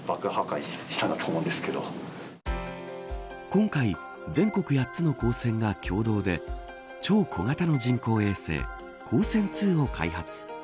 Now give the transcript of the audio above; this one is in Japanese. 今回、全国８つの高専が共同で超小型の人工衛星ＫＯＳＥＮ−２を開発。